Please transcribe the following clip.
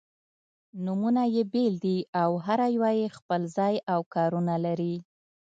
نومونه يې بېل دي او هره یوه یې خپل ځای او کار-ونه لري.